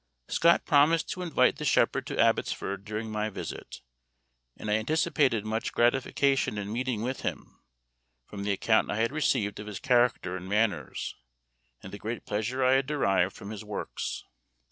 Scott promised to invite the Shepherd to Abbotsford during my visit, and I anticipated much gratification in meeting with him, from the account I had received of his character and manners, and the great pleasure I had derived from his works.